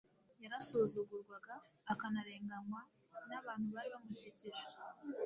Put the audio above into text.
Yarasuzugurwaga akanarenganywa n'abantu bari bamukikije.